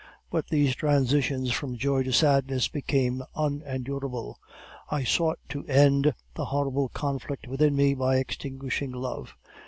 But these transitions from joy to sadness became unendurable; I sought to end the horrible conflict within me by extinguishing love.